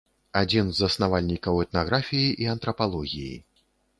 Адзін з заснавальнікаў этнаграфіі і антрапалогіі.